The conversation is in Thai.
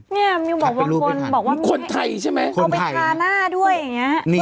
เนี่ยมิวบอกบางคนบอกว่าคนไทยใช่ไหมคนไทยเอาไปทาหน้าด้วยอย่างเงี้ย